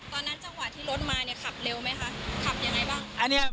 ตอนนั้นจังหวะที่รถมาขับเร็วไหมคะขับอย่างไรบ้าง